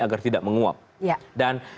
agar tidak menguap dan